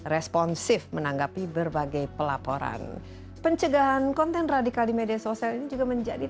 responsif menanggapi berbagai pelaporan pencegahan konten radikal di media sosial ini juga menjadi